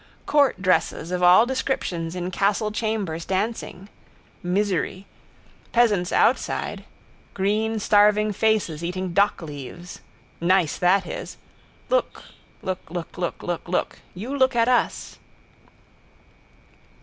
Court dresses of all descriptions in castle chambers dancing. Misery. Peasants outside. Green starving faces eating dockleaves. Nice that is. Look: look, look, look, look, look: you look at us.